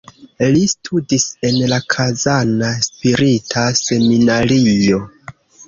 Li studis en la Kazana spirita seminario.